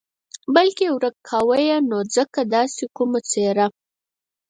بلکې ورک کاوه یې نو ځکه داسې کومه څېره.